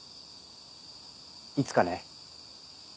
いつかね。